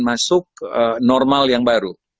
masuk normal yang baru